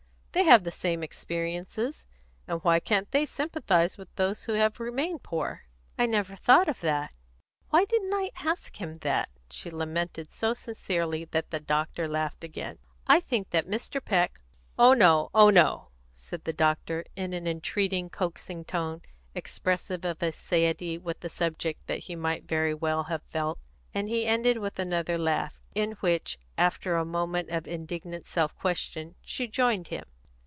They have the same experiences, and why can't they sympathise with those who have remained poor?" "I never thought of that. Why didn't I ask him that?" She lamented so sincerely that the doctor laughed again. "I think that Mr. Peck " "Oh no! oh no!" said the doctor, in an entreating, coaxing tone, expressive of a satiety with the subject that he might very well have felt; and he ended with another laugh, in which, after a moment of indignant self question, she joined him.